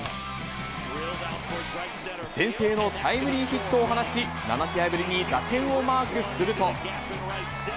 先制のタイムリーヒットを放ち、７試合ぶりに打点をマークすると。